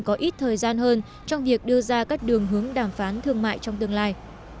có ít thời gian hơn trong việc đưa ra các đường hướng đàm phán thương mại trong tương lai